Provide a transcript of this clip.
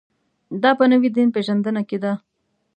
دا په نوې دین پېژندنه کې ده.